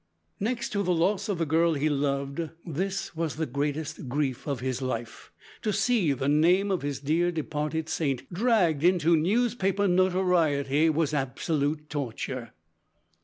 Next to the loss of the girl he loved, this was the greatest grief of his life. To see the name of his "dear, departed saint" dragged into newspaper notoriety was absolute torture.